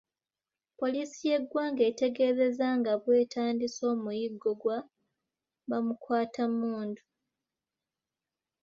Poliisi y’eggwanga etegeezezza nga bwetandise omuyiggo gwa bamukwatammundu.